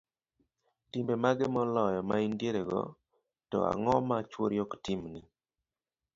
timbe mage moloyo ma intierego, to ang'o ma chuori ok timni?